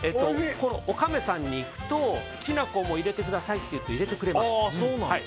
おかめさんに行くときな粉も入れてくださいって言うと、入れてくれます。